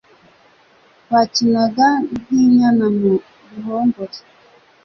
twakinaga nk'inyana mu ruhongore